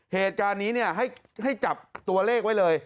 เหตุการณ์นี้ให้จับตัวเลขไว้เลย